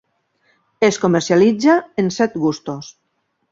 Es comercialitza en set gustos.